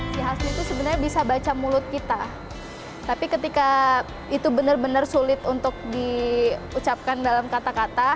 si hasri itu sebenarnya bisa baca mulut kita tapi ketika itu benar benar sulit untuk diucapkan dalam kata kata